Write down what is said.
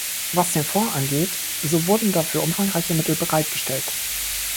Was den Fonds angeht, so wurden dafür umfangreiche Mittel bereitgestellt.